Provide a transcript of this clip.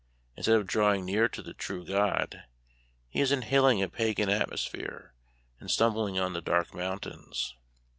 Instead of drawing near to the true God, he is inhaling a Pagan atmosphere and stumbling on the dark mountains.